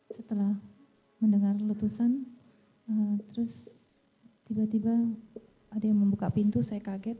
setelah mendengar letusan terus tiba tiba ada yang membuka pintu saya kaget